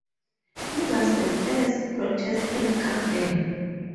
He was the first Protestant Governor.